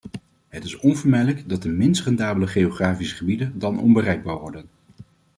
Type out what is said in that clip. Het is onvermijdelijk dat de minst rendabele geografische gebieden dan onbereikbaar worden.